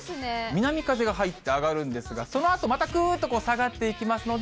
南風が入って上がるんですが、そのあとまたくーっと下がっていきますので。